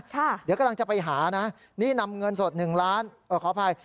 เดี๋ยวกำลังจะไปหานะนี่นำเงินสดหนึ่งล้านเออขออภัย